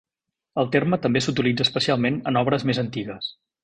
El terme també s'utilitza, especialment en obres més antigues.